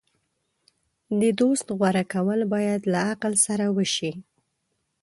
د دوست غوره کول باید له عقل سره وشي.